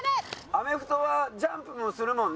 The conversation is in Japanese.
アメフトはジャンプもするもんね。